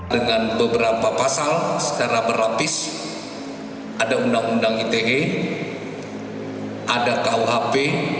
dengan beberapa pasal secara berlapis ada undang undang ite ada kuhp